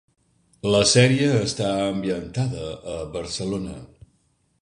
La sèrie està ambientada a Barcelona.